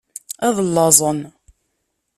Ad llaẓen.